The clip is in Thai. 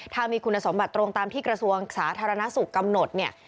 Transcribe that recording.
ถ้ามีคุณสมบัติตรงตามที่กระทรวงสาธารณสุขกำหนดเนี่ย